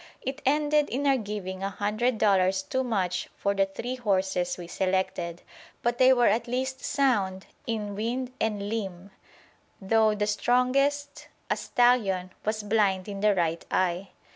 It ended in our giving a hundred dollars too much for the three horses we selected; but they were at least sound in "wind and limb," though the strongest, a stallion, was blind in the right eye.